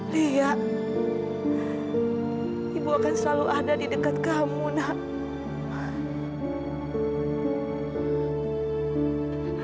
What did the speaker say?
tia ibu akan selalu ada di dekat kamu nak